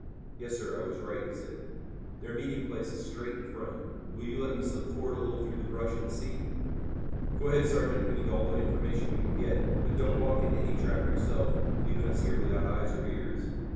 "Yes, sir, I was right," he said. "Their meeting place is straight in front. Will you let me slip forward a little through the brush and see?" "Go ahead, Sergeant. We need all the information we can get, but don't walk into any trap yourself, leaving us here without eyes or ears."